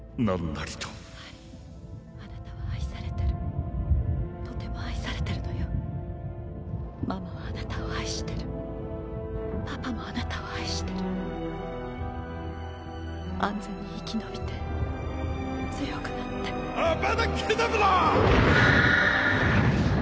ハリーあなたは愛されてるとても愛されてるのよママはあなたを愛してるパパもあなたを愛してる安全に生きのびて強くなってアバダ・ケダブラ！